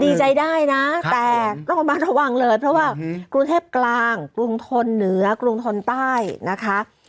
ดีใจได้นะแต่ต้องระมัดระวังเลยเพราะว่ากรุงเทพกลางกรุงทนเหนือกรุงทนใต้นะคะ